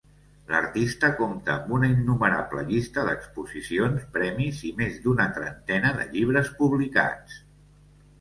L'artista compta amb una innumerable llista d'exposicions, premis i més d'una trentena de llibres publicats.